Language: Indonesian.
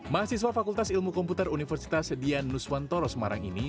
mahasiswa fakultas ilmu komputer universitas sedian nuswantoro semarang ini